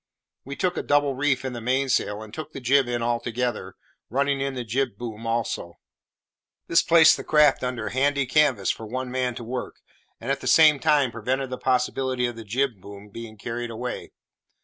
We took a double reef in the mainsail, and took the jib in altogether, running in the jib boom also. This placed the craft under handy canvas for one man to work, and, at the same time, prevented the possibility of the jib boom being carried away.